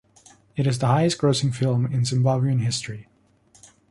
It is the highest-grossing film in Zimbabwean history.